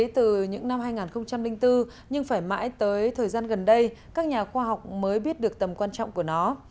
từ những năm hai nghìn bốn nhưng phải mãi tới thời gian gần đây các nhà khoa học mới biết được tầm quan trọng của nó